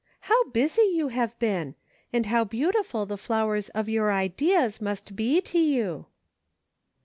How busy you have been ! And how beautiful the flowers of your ideas must be to you."